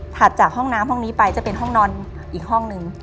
จากห้องน้ำห้องนี้ไปจะเป็นห้องนอนอีกห้องนึง